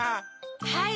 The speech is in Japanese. はい。